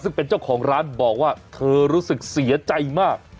ซึ่งเป็นเจ้าของร้านบอกว่าเธอรู้สึกเสียใจมาก